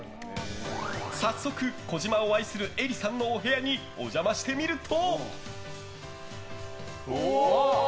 早速、児嶋を愛する愛里さんのお部屋にお邪魔してみると。